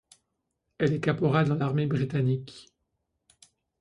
Elle est caporal dans l'armée britannique.